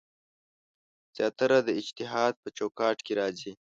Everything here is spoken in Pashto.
زیاتره د اجتهاد په چوکاټ کې راځي.